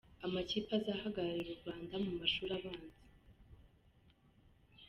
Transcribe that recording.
Amakipe azahagararira u Rwanda mu mashuri abanza.